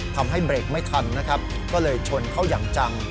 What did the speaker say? ทำให้เบรกไม่ทันนะครับก็เลยชนเข้าอย่างจัง